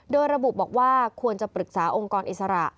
โดยระบุบอกว่าควรจะปรึกษาองค์กรอิสระ